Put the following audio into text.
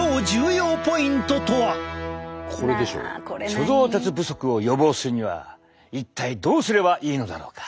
貯蔵鉄不足を予防するには一体どうすればいいのだろうか。